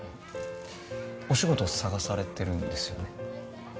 お仕事探されてるんですよね？